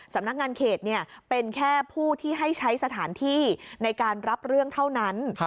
สำนักงานเขตเป็นแค่ผู้ที่ให้ใช้สถานที่ในการรับเรื่องเท่านั้น